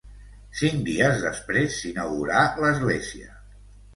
Cinc dies després s'inaugurà l'església.